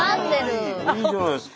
いいじゃないすか。